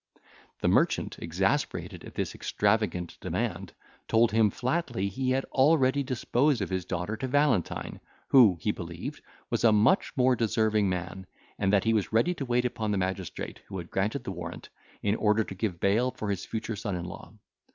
The merchant, exasperated at this extravagant demand, told him flatly he had already disposed of his daughter to Valentine, who, he believed, was a much more deserving man, and that he was ready to wait upon the magistrate who had granted the warrant, in order to give bail for his future son in law.